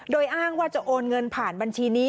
โดยอ้างว่าจะโอนเงินผ่านบัญชีนี้